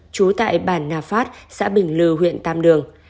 trú tại bản nà phát xã bình lư huyện tam đường